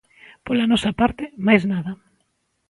Pola nosa parte, máis nada.